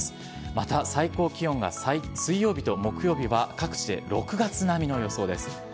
また、最高気温が水曜日と木曜日は各地で６月並みの予想です。